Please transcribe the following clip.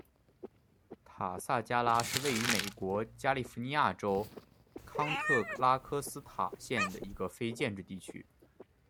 塔萨加拉是位于美国加利福尼亚州康特拉科斯塔县的一个非建制地区。